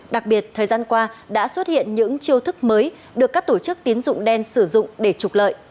đặc biệt thời gian qua đã xuất hiện những chiêu thức mới được các tổ chức tín dụng đen sử dụng để trục lợi